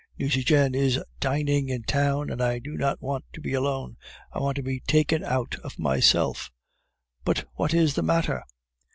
Nucingen is dining in town, and I do not want to be alone; I want to be taken out of myself." "But what is the matter?"